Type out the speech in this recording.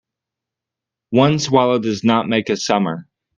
One swallow does not make a summer.